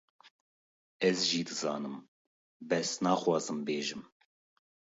Ez jî dizanim bes naxwazim bêjim